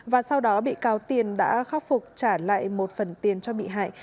và sau đó bị cáo tiền đã khắc phục trả lại một phần tiền cho bị hại